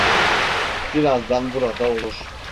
Birazdan burada olur.